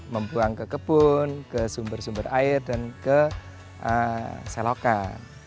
membuang ke kebun ke sumber sumber air dan ke selokan